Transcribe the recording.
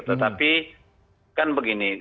tetapi kan begini